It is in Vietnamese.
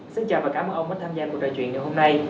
xin chào và cảm ơn ông đã tham gia cuộc trò chuyện ngày hôm nay